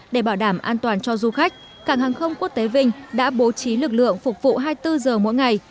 để bảo đảm an toàn cho du khách cảng hàng không quốc tế vinh đã bố trí lực lượng phục vụ hai mươi bốn giờ mỗi ngày